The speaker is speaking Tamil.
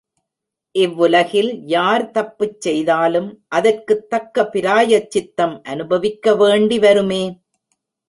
இவ்வுலகில் யார் தப்புச் செய்தாலும் அதற்குத் தக்க பிராயச்சித்தம் அனுபவிக்க வேண்டி வருமே.